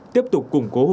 tiếp tục củng cố hồ sơ